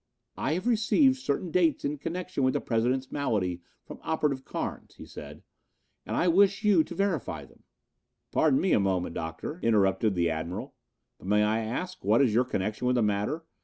"I have received certain dates in connection with the President's malady from Operative Carnes," he said, "and I wish you to verify them." "Pardon me a moment, Doctor," interrupted the Admiral, "but may I ask what is your connection with the matter?